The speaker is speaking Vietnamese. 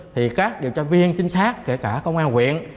thì các điều tra viên chính xác kể cả công an huyện